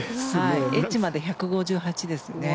エッジまで１５８ですね。